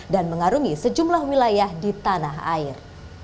dan mengarungi sejumlah wilayah di tanah air